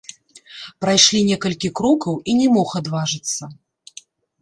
Прайшлі некалькі крокаў, і не мог адважыцца.